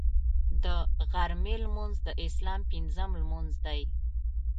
د غرمې لمونځ د اسلام پنځم لمونځ دی